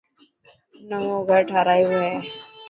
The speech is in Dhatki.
نئوو گھر ٺارايو هي.